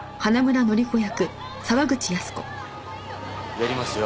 やりますよ